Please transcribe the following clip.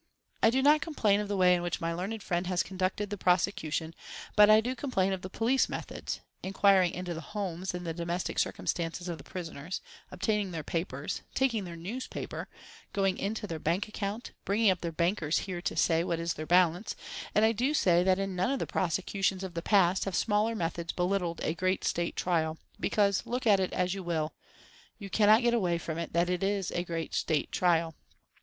I do not complain of the way in which my learned friend has conducted the prosecution, but I do complain of the police methods inquiring into the homes and the domestic circumstances of the prisoners, obtaining their papers, taking their newspaper, going into their banking account, bringing up their bankers here to say what is their balance; and I do say that in none of the prosecutions of the past have smaller methods belittled a great State trial, because, look at it as you will, you cannot get away from it that this is a great State trial.